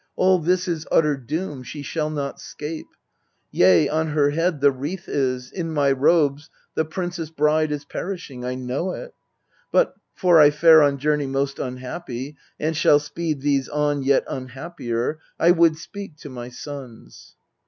All this is utter doom she shall not 'scape ! Yea, on her head the wreath is ; in my robes The princess bride is perishing I know it. But for I fare on journey most unhappy, And shall speed these on yet unhappier 1 would speak to my sons.